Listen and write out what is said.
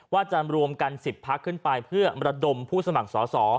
ว่าจะรวมกัน๑๐พักขึ้นไปเพื่อระดมผู้สมัครสอสอ